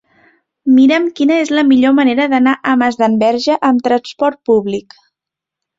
Mira'm quina és la millor manera d'anar a Masdenverge amb trasport públic.